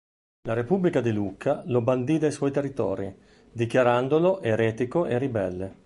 La Repubblica di Lucca lo bandì dai suoi territori, dichiarandolo eretico e ribelle.